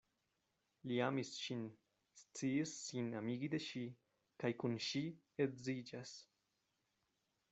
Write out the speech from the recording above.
Li amis ŝin, sciis sin amigi de ŝi, kaj kun ŝi edziĝas.